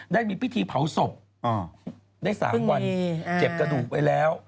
ได้มีพิธีเผาศพได้๓วันเก็บกระดูกไว้แล้ว